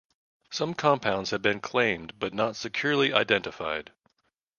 Some compounds have been claimed but not securely identified.